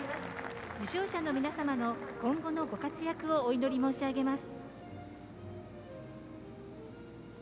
受賞者の皆様の今後のご活躍をお祈り申し上げます。